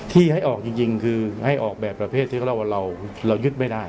ที่ให้ออกจริงคือให้ออกแบบประเภทที่เขาเล่าว่าเรายึดไม่ได้